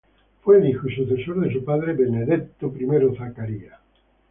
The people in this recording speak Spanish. Fue el hijo y sucesor de su padre Benedetto I Zaccaria.